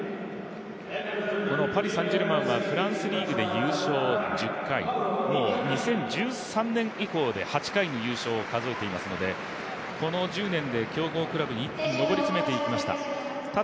パリ・サン＝ジェルマンはフランスリーグで優勝１０回、２０１３年以降で８回の優勝を数えてますのでこの１０年で強豪クラブへ一気に上り詰めていきました。